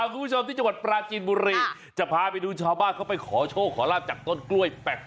คุณผู้ชมที่จังหวัดปราจีนบุรีจะพาไปดูชาวบ้านเขาไปขอโชคขอลาบจากต้นกล้วยแปลก